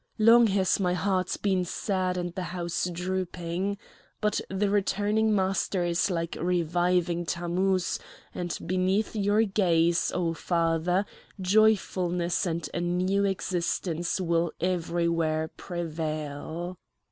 Long has my heart been sad and the house drooping. But the returning master is like reviving Tammouz; and beneath your gaze, O father, joyfulness and a new existence will everywhere prevail!"